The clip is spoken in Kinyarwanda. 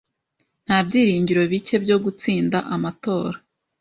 Nta byiringiro bike byo gutsinda amatora.